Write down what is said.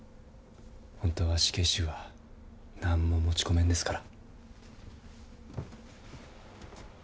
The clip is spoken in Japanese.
本当は死刑囚はなんも持ち込めんですから。